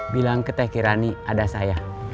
bilang ke teh kirani ada saya